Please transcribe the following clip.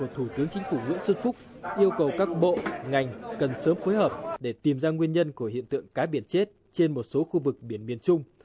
thủ tướng chính phủ nguyễn xuân phúc yêu cầu các bộ ngành cần sớm phối hợp để tìm ra nguyên nhân của hiện tượng cá biệt chết trên một số khu vực biển miền trung